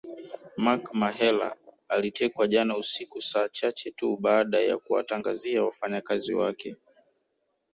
Mark Mahela alitekwa jana usiku saa chache tu baada ya kuwatangazia wafanyakazi wake